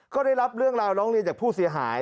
ก็ได้รับเรื่องราวร้องเรียนจากผู้เสียหาย